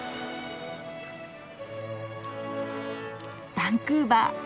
バンクーバー。